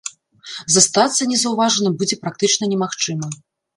Застацца незаўважаным будзе практычна немагчыма.